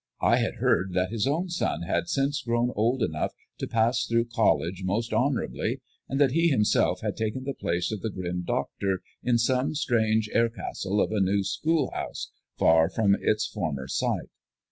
I had heard that his own son had since grown old enough to pass through college most honorably, and that he himself had taken the place of the grim Doctor in some strange air castle of a new schoolhouse, far from its former site.